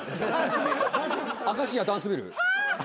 明石家ダンスビル。